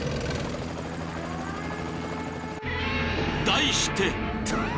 ［題して］